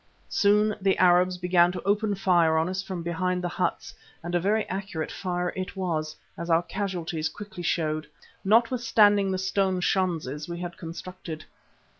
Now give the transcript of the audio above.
Soon the Arabs began to open fire on us from behind the huts, and a very accurate fire it was, as our casualties quickly showed, notwithstanding the stone schanzes we had constructed.